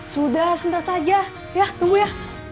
sudah sebentar saja ya tunggu ya